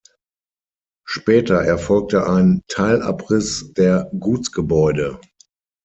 Später erfolgte ein Teilabriss der Gutsgebäude.